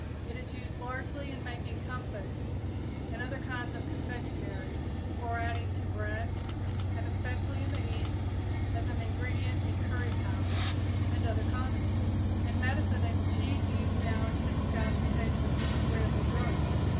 It is used largely in making comfits and other kinds of confectionery, for adding to bread, and, especially in the East, as an ingredient in curry powder and other condiments. In medicine its chief use now is to disguise the taste of disagreeable drugs.